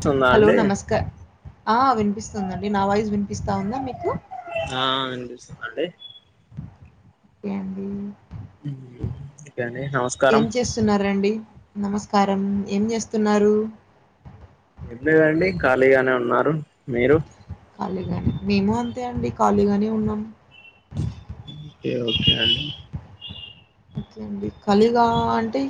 స్తుందా hello అండి నమస్క ఆ వినిపిస్తుందండి నా వాయిస్ వినిపిస్తా ఉందా మీకు? ఆ వినిపిస్తుంది అండి. యాపి ఓకే అండి నమస్కారం ఏం చేస్తున్నరండి నమస్ కారం ఏం చేస్తున్నారు? ఏందుకండి ఖాళీగానే ఉన్నారు మీరు? ఖాళీగానే మేము అంతే అండి ఖాళీగానే ఉన్నాము. ఏ ఓకే అండి ఓకే అండి ఖాళీగ అంటే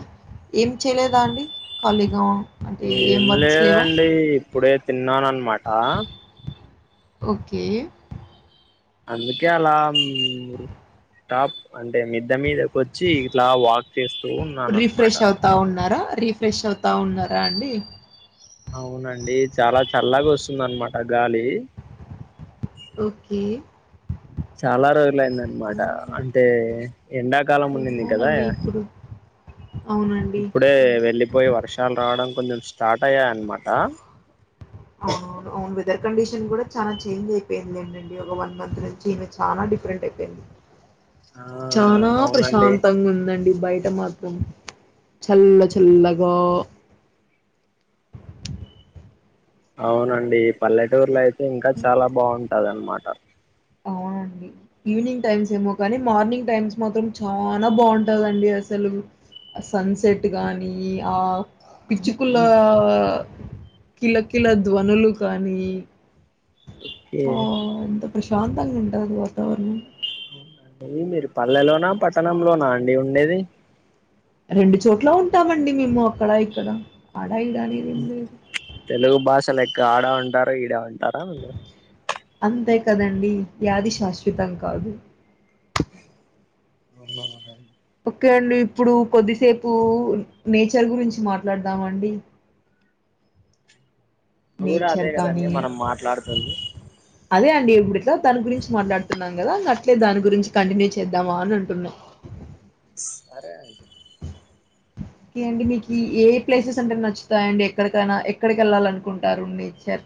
ఏం చేయలేదా అండి ఖాళీగా? అంటే ఏం వర్క్స్ లేవా? లేదండి ఇప్పుడే తిన్నానన్నమాట. ఓకే అందుకే అలా మ్ టాప్ అంటే మిద్ద మీదకు వచ్చి ఇట్లా వాక్ చేస్తూ ఉన్నాను అనమాట రిఫ్రెష్ అవుతా ఉన్నారా, రిఫ్రెష్ అవుతా ఉన్నారా అండి? అవునండి చాలా చల్లగా వస్తుంద అన్నమాట గాలి ఓకే చాలా రోజులయిందన్నమాట అవును. అంటే ఎండాకాలం ఓకే. ఉన్నింది కదా అవునండి ఇప్పుడు. అవునండి. ఇప్పుడే అవును. వెళ్ళిపోయి వర్షాలు రావడం కొంచెం స్టార్ట్ అయ్యాయి అన్నమాట. అవునవును అవును వెదర్ కండిషన్ కూడా చాలా చేంజ్ అయిపోయిందింటండి. ఒక వన్ మంత్ నుంచిమె చాలా డిఫరెంట్ అయిపోయింది ఆ చాల అవునండి ప్రశాంతంగా ఉందండి బయ ట మాత్రం చల్ల చల్లగ అవునండి పల్లెటూరులో అయితే ఇంకా చాలా బావుంటది అన్నమాట. అండి ఈవినింగ్ టైమ్స్ ఏమో కానీ మార్నింగ్ టైమ్స్ మాత్రం చాలా బావుంటాదండి అసలు సన్సెట్ గాని ఆ పిచ్చుకుల కిలకిల ధ్వనులు కానీ ఆ ఎంత ప్రశాంతంగా ఉంటది వాతావరణం అవునండి మీరు పల్లెలోనా, పట్టణంలోనా అండి ఉండేది? రెండు చోట్ల ఉంటామండి మేము అక్కడ ఇక్కడ అన్ తెలుగు భాష లెక్క ఆడ ఉంటార, ఈడే ఉంటారా మీరు అంతే కదండి వ్యాధి శాశ్వతం కాదు. అన్న మాటాడు ఓకే అండి ఇప్పుడు కొద్దిసేపు నేచర్ గురించి మాట్లాడదామ అండి. ఇప్పుడు కూడా అదే నేచర్ కదండి కానీ మనం మాట్లాడుతుంది అదే అండి ఇప్పుడుట్లా తని గురించి మాట్లాడుతున్నాం గదా అట్లే దాన్ గురించి కంటిన్యూ చేద్దామా అని అంటున్నా అరే ఏండి మీకి ఏ ప్లేసెస్ అంటే నచ్చుతాయండి ఎక్కడికైనా ఎక్కడికి వెళ్ళాలి అనుకుంటారు నేచర్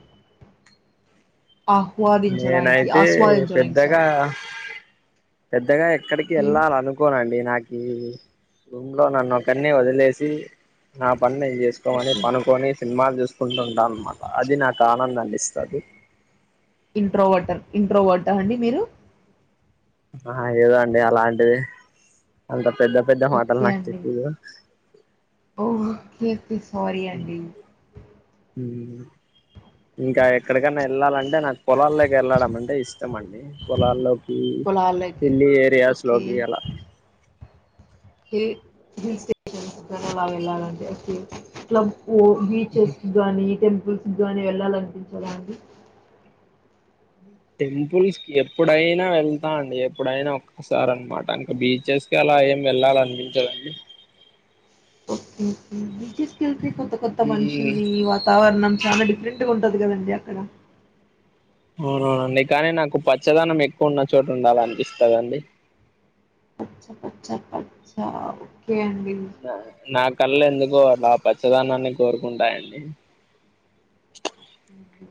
ఆహ్వాదించడానికి నేనైతే ఆస్వాదించడానికి పెద్దగా సారీ పెద్దగా ఎక్కడికి వెళ్ళాల అనుకోనండి నాక్ ఈ రూమ్లో నన్ను ఒకనే వదిలేసి నా పన్ చేసుకోని ఓకే పనుకొని సినిమాలు చూసుకుంటుంటాం అనమాట అది నాకు ఆనందాన్నిస్తాది ఇంట్రో వాటర్ ఇంట్రో వాటర్ అండి మీరు ఆ ఏదదో అండి అలాంటిది అంత పెద్ద పెద్ద మాటల్ నాకు తెలిదు ఓ ఓకే సారీ అండి ఉ ఇంకా ఎక్కడికన్నా వెళ్ళాలంటే నాకు పొలాల్లోకి వెళ్ళడం అంటే ఇష్టం అండి పొలాల్లోకి పొలాలకి ఇల్లి ఓకే ఏరియాస్లోగి అలా హిల్ హిల్ స్టేషన్ అలా వెళ్లాలండి ఓ బీచెస్ గాని టెంపుల్స్ గాని వెళ్ళాలనిపించద అండి టెంపుల్స్ కి ఎప్పుడైనా వెళ్తా అండి ఎప్పుడైనా ఒక్కసారి అనమాట అక బీచ్ తీసుక అలా ఏం వెళ్ళాల అనిపించదండి ఓకే ఓకే బీచెస్ కి వెళ్తే కొత్త కొత్త మ్మ్ మనుషుల్ని వాతావరణం చాలా డిఫరెంట్ ట్ ఉంటది కదండి అక్కడ అవునవునండి కానీ నాకు పచ్చదనం ఎక్కువ ఉన్న చోటు ఉండాల అనిపిస్తదండి పచ్చ పచ్చ పచ్చా నా కళ్ ఎందుకు కో ఆ పచ్చదనాన్ని కోరుకుంటాయండి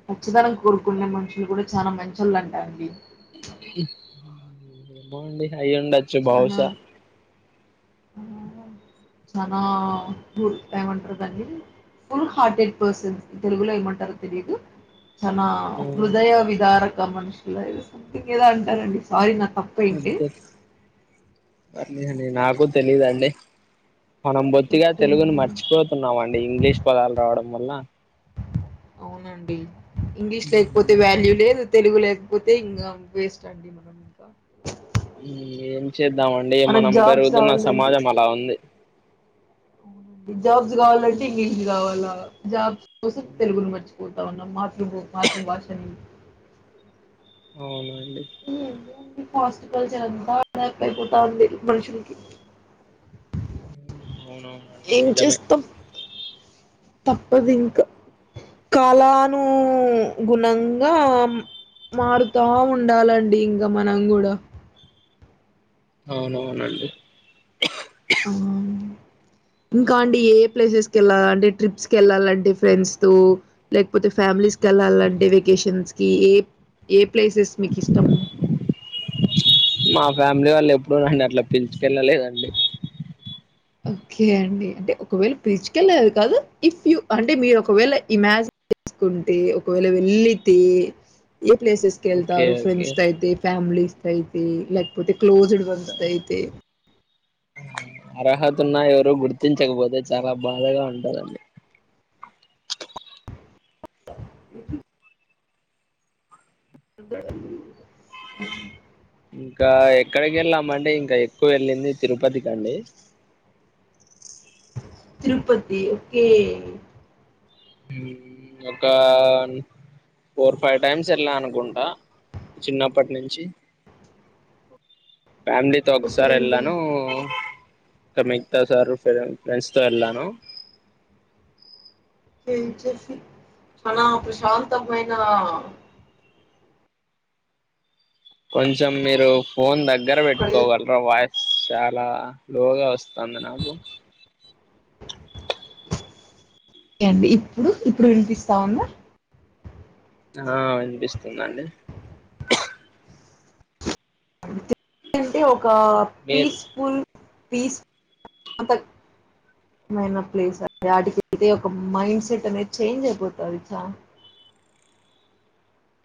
పచ్చదనం కోరుకునే మనుషులు కూడా చాలా మంచొళ్ళు అంట అండి ఏమో అండి అయ్యిండొచ్చు చానా బహుశా చనా తామంటారు కాని ఫుల్ హార్టెడ్ పర్సన్స్ తెలుగులో ఏమంటారో తెలిదు చనా మ్మ్ హృదయ విదారక మనుషులదో సంథింగ్ ఏదో అంటారండి సారీ నా తప్పయింటే లేదండి నాకు తెలీదు అండి మనం బొత్తిగా ఓకే తెలుగుని అండి మర్చిపోతున్నామండి ఇంగ్లీష్ పదాలు రావడం వల్ల అవునండి ఇంగ్లీష్ లేకపోతే వాల్యూ లేదు తెలుగు లేకపోతే ఇంగ వేస్ట్ అండి మనం ఇంక ఏం చేద్దామండి మనకు మనం జాబ్స్ పెరుగుతున్న సమాజం అలా ఉంది అవునండి జాబ్స్ కావాలంటే ఇంగ్లీష్ కావల్ల జాబ్స్ కోసం తెలుగుని మర్చి పోతా ఉన్నాం మాతృబో మాతృభాషని అవున అండి హాస్పిటల్ [unintelligible] అయిపోతావుంది మనుషులకి అవునవునండి ఏం నిజమే చేస్తాం తప్పదు ఇంక కాలానూ గుణంగా మారుతా ఉండాలండి ఇంగ మనం కూడా అవునవునండి ఆ ఇంకా అండి ఏ ఏ ప్లేసెస్ కెళ్ళాలండి అంటే ట్రిప్స్ వెళ్లాలంటే ఫ్రెండ్స్ తో లేకపోతే ఫ్యామిలీస్ కెళ్లాలంటే వేకషన్స్ కి ఏ ఏ ప్లేసెస్ మీకిష్టం మా ఫ్యామిలీ వాళ్ళు ఎప్పుడు నన్ను అట్ల పిల్చుకెళ్ళలేదండి ఓకే అండి అంటే ఒకవేళ పిలుచుకెళ్ళదు కాదు ఇఫ్ యూ అంటే మీరు ఒకవేళ ఇమాజిన్ తీసుకుంటే ఒకవేళ వెళ్ళితే ఏ ప్లేసెస్ ఓకే కెళ్తారు ఓకే ఫ్రెంస్ అయితే ఫ్యామిలీ అయితే లేకపోతే క్లోజ్డ్ వన్స్ అయితే అర్హత ఉన్నా ఎవరు గుర్తించకపోతే చాలా బాధగా ఉంటదండి ఇంకా ఎక్కడికి వెళ్ళామంటే ఇంకా ఎక్కువ వెళ్ళింది తిరుపతి కండి తిరుపతి ఓకే ఒకాన్ ఫోర్ ఫైవ్ టైమ్స్ ఎళ్లా అనుకుంటా చిన్నప్పటి నుంచి ఫ్యామిలీ తో ఓకే ఒకసారి అండి. ఎళ్ళాను ఇంక మిగతా సార్లు ఫ్రె ఫ్రెండ్స్ తో వెళ్ళాను చేంచేసి చాలా ప్రశాంతమైన కొంచెం మీరు ఫోన్ దగ్గర అక్కడెళ్ పెట్టుకోగలరా వాయిస్ చాలా లోగా వస్ తంద నాకు ఒకే అండి ఇప్పుడు ఇప్పుడు వినిపిస్తాందా ఆ వినిపిస్తుందండి తిరుపతి అంటే ఒక మీరు పీస్ఫుల్ పీస్ ఏమనా ప్లేస్ ఆటికి ఎళితే ఒక మైండ్ సెట్ అనేది చేంజ్ అయిపోతది చ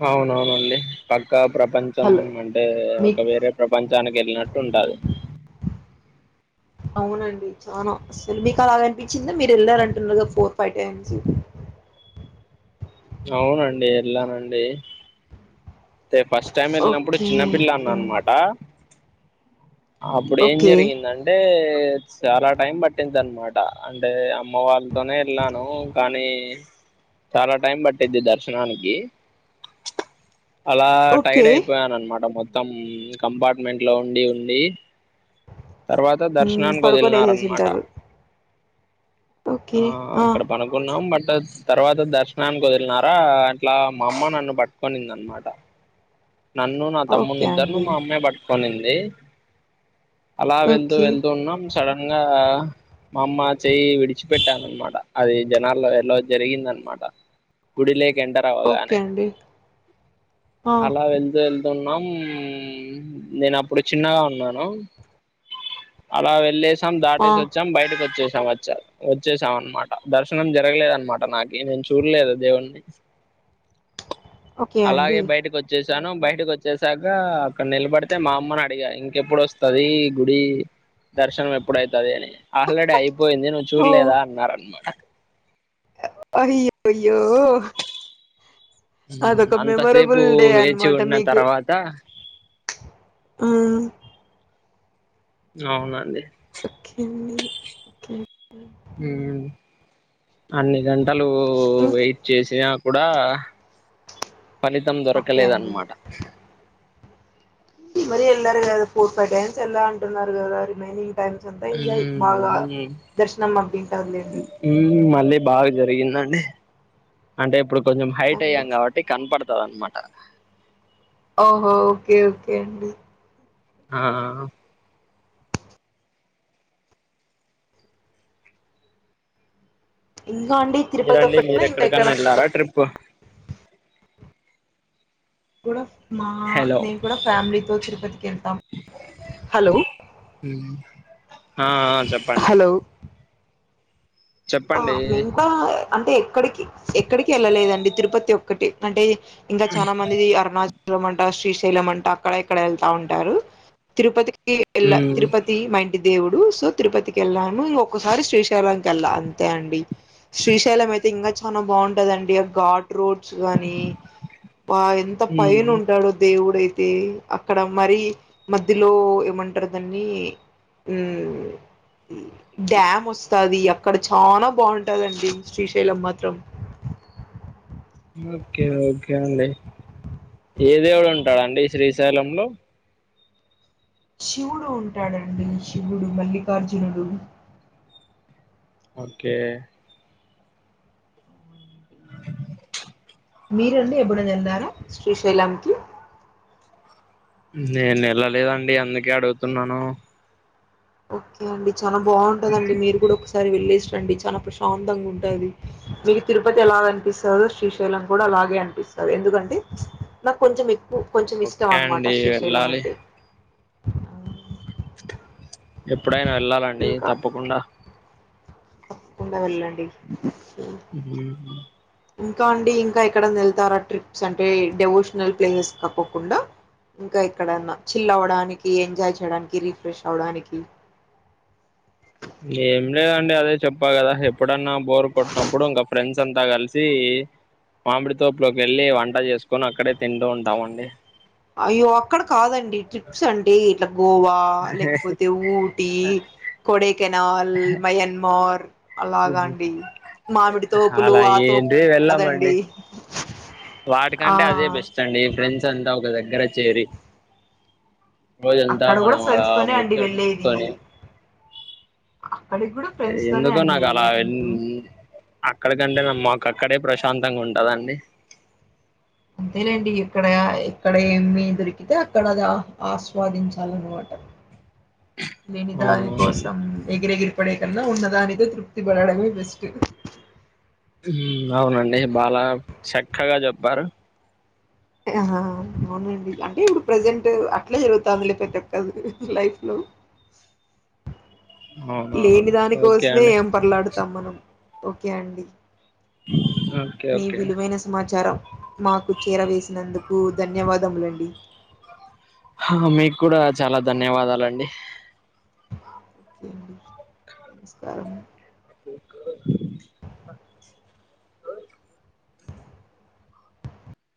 అవునవునండి ప ఒక ప్రపంచం హలో అంటే ఒక మీకు వేరే ప్రపంచానికి వెళ్ళినట్టు ఉంటది అవునండి చానా అసలు మీకు అలాగనిపించింది మీరు వెళ్లారంటున్నారుద ఫోర్ ఫైవ్ టైమ్స్ అవునండి ఎళ్ళానండి అంటే ఫస్ట్ టైం వెళ్ళినప్పుడు ఓకే చిన్నపిల్లాన్ని ఓకే అన్మాట అప్పుడెం ఓకే జరిగిందంటే చాలా టైం పట్టింది అన్మాట అంటే అమ్మ వాళ్ళతోనే వెళ్ళాను కానీ చాలా టైం పట్టిద్ది దర్శనానికి అలా ఓకే టైడ్ అయిపోయాను అనమాట మొత్తం కంపార్ట్మెంట్ లో ఉండి ఉండి తర్వాత మ్, దర్శనానికి పడుకొని వదిలినారన్మాట వేసేసింటారు ఆ అక్కడ పనుకున్నాం బట్ తర్వాత దర్శనానికి వదిలినారా అట్లా మా అమ్మ నన్ను పట్టుకునింది అన్మాట నన్ను నా తమ్ముని ఓకే నిద్దరును అండి మా అమ్మే పట్టుకునింది అలా వెళ్తూ ఓకే వెళ్తూ ఉన్నాం సడన్ గా మా అమ్మ చెయ్యి విడిచిపెట్టానన్మాట అది జనాల్లో ఎలో జరిగిందన్మాట ఓకే గుడిలేేకెండరావగానే అండి ఆ అలా వెల్దు ఎళ్తున్నాం నేనప్పుడు చిన్నగా ఉన్నాను అలా వెళ్లేసాం ఆ దాటేసి వచ్చాం బయటకచ్చేస్ క వచ్చ వచ్చేసాం అనమాట దర్శనం జరగలేదనమాట నాకి నేను చూడ్లేదు దేవుణ్ణి ఓకే అండి చ్చేసాను బయటకి వచ్చేసాక అక్కడ నిలబడితే మా అమ్మన్ అడిగా ఇంకెప్పుడు వస్తది గుడి దర్శనం ఎప్పుడయితది అని ఆల్రెడీ అయిపోయింది నువ్వు చూడ్లేదా అన్నార అన్మాట అయ్యయ్యో అదొక అంతసేపు మెమొరబుల్ డే వేచి అన్మాట ఉన్న మీకు తర్వాత ఆ అవునండి ఓకేే అండీ ఒకే ఉమ్ అన్ని గంటలు ఇంకా వెయిట్ చేసినా కూడా ఫలితం ఓకే అండి దొరకలేదన్మాట మరి ఎల్లారు కదా ఫోర్ ఫై టైమ్స్ ఎల్లా అంటున్నారు గదా [unintelligible] టైమ్స్ అంతా ఎంజాయ్ బాగా దర్శనం అప్పింటదిలేండి మళ్ళీ బాగా జరిగిందండి అంటే ఇప్పుడు కొంచెం హైట్ అండి అయ్యాం కాబట్టి కన్పడ్ దన్మాటా ఓహో ఓకే ఓకే అండి ఆ ఇంకా అండి తిరుపతి మీరండి ఒక్కటే ఇంకా ఇక్కడ మీరెక్కడికన్నా ఎళ్లారా ట్రిప్పు గుడ్ ఆఫ్ మా హలో నేన్ కూడా ఫ్యామిలీతో తిరుపతికెళ్తామ్ హలో ఆ అ చెప్పండి హలో ఆ చెప్పండి మే ఇంకా అంటే ఎక్కడికి ఎక్కడికి ఎళ్ళలేదండి తిరుపతి ఒక్కటి అంటే ఇంకా చానా మందిది అరుణాచ మంట శ్రీశైలమంట అక్కడ ఇక్కడ ఎళ్తా ఉంటారు తిరుపతి కి ఎళ్ళ తిరుపతి మా ఇంటి దేవుడు సో తిరుపతికి వెళ్ళాను ఇ ఒక్కసారి శ్రీశైలంకి వెళ్ళ తె అండి శ్రీశైలం అయితే ఇంగా చానా బాగుంటదండి ఆ గా రోడ్స్ గాని అ ఎంత పైన ఉంటాడో దేవుడయి. తే అక్కడ మరి మధ్యలో ఏమంటర్ దాన్ని ఉమ్ డ్యామ్ వస్తాది అక్కడ చానా బాగుంటదండి శ్రీశైలం మాత్రం ఓకే ఓకే అండి ఏ దేవుడు ఉంటాదండి శ్రీశైలంలో శివుడు ఉంటాడండి శివుడు మల్లికార్జునుడు ఓకే [inaudible] మీరండి ఎప్పుడైనా ఎల్లారా శ్రీశైలంకిి నేనేళ్లలేదండి అందుకే అడుగుతున్నాను ఓకే అండి చానా బాగుంటదండి మీరు కూడా ఒకసారి వెళ్లే స్రండి చానా ప్రశాంతంగా ఉంటది దివి తిరుపతి ఎలాగ అనిపిస్తాదో శ్రీశైలం కూడా అలాగే అన్పి స్తది ఎందుకంటే నాక్ కొంచెం ఎక్కువ కొంచెం ఇష్టం ఓకే అండి అన్మాట శ్రీశైలం వెళ్ళాలి అంటే అవు ఎప్పుడైనా వెళ్ళాలండి తప్పకుండా తప్పకుండా వెళ్ళండి ఏం ఉమ్మ్ ఇంకా అండి ఇంకా ఎక్కడ ఎళ్తారా ట్రిప్స్ అంటే డెవోషనల్ ప్లేసెస్ కక్కకుండా? ఇంకా ఎక్కడన్నా చిల్ అవ్వడానికి ఎంజాయ్ చేయడానికి రిఫ్రెష్ అవడానికి ఏం లేదండి అదే చెప్పా కదా ఎప్పుడన్నా బోర్ కొట్టినప్పుడు ఇంకా ఫ్రెండ్స్ అంతా కలిసి మామిడి తోపులోకి వెళ్ళి వంట చేసుకుని అక్కడే తింటూ ఉంటామండి. అయ్యో అక్కడ కాదండి ట్రిప్స్ అండి ఇట్లా గోవా లేకపోతే ఊటీ కొడైకెనాల్, మయన్మార్ అలాగా అండి మామిడి తోపులు అలా ఆ తోపు ఏంటి వెళ్ళామండి కాదండి. ఆ వాటికంటే అదే బెస్ట్ అండి ఫ్రెండ్స్ అంతా ఒక దగ్గర చేరి రోజంత అక్కడ కూడా మనం అలా ఫ్రెండ్స్ తోనే అండి వెళ్ళేది ముచ్చటించుకుని అక్కడికి కూడా ఫ్రెండ్స్ తోనే ఎందుకో అండి నాకు అలా వెళ్ళేది వెన్ మీరు అక్కడికంటే నా మాకు అక్కడే ప్రశ శాంతంగా ఉంటదండి. అంతేలేండి ఎక్కడ ఎక్కడ ఏమి దొరికితే అక్కడ అది ఆహ్వా ఆస్వాదించాల అన్నమాట [inaudible] లేని దాని అవునవునండి కోసం ఎగిరెగిరి పడేకన్నా ఉన్నదానికె తృప్తి పడడమే బెస్ట్ మ్ అవునండి బాల చక్కగా చెప్పారు. ఆ అవునండి అంటే ఇప్పుడు ప్రజెంట్ అట్లా జరుగుతాంది లే పెద్ద కదు లైఫ్ లో [inaudible] లేని అవునవునండి ఓకే దానికోసమే అండి ఏం పర్లాడుతాం మనం ఓకే అండి. అహ మీ విలువైన సమాచారం మాకు చేరవేసినందుకు ధన్యవాదా దమలండి హ మీకు కూడా చాలా ధన్యవాదాలండి. డి నమస్కారం ఎక్కడ